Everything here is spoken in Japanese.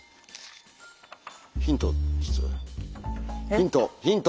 ヒントヒント！